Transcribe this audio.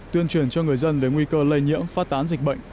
tuyên truyền cho người dân về nguy cơ lây nhiễm phát tán dịch bệnh